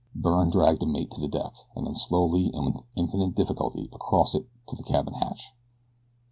Byrne dragged the mate to the deck, and then slowly and with infinite difficulty across it to the cabin hatch.